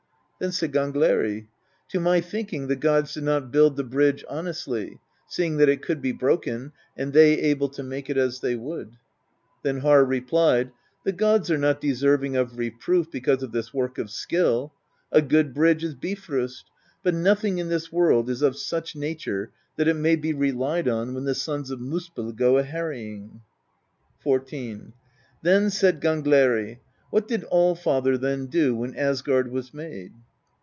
Then said Gangleri: "To my think ing the gods did not build the bridge honestly, seeing that it could be broken, and they able to make it as they would." Then Harr replied :" Thegods are not deserving of reproof because of this work of skill: a good bridge is Bifrost, but nothing in this world is of such nature that it may be relied on when the sons of Miispell go a harrying." XIV. Then said Gangleri: "What did Allfather then do when Asgard was made?"